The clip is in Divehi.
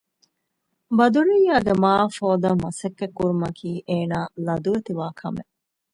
ބަދުރިއްޔާގެ މަޢާފް ހޯދަން މަސައްކަތް ކުރުމަކީ އޭނާ ލަދުވެތިވާ ކަމެއް